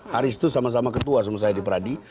haris itu sama sama ketua sama saya di pradi